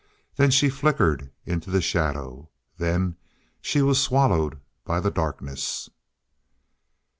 Then she flickered into the shadow. Then she was swallowed by the darkness.